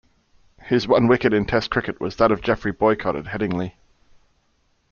His one wicket in test cricket was that of Geoffrey Boycott at Headingley.